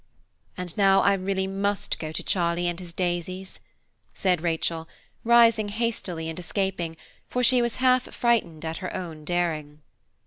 And now I really must go to Charlie and his daisies," said Rachel rising hastily and escaping, for she was half frightened at her own daring.